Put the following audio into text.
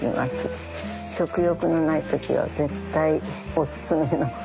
食欲のない時は絶対オススメの。